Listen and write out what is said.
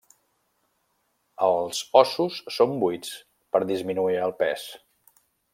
Els ossos són buits per a disminuir el pes.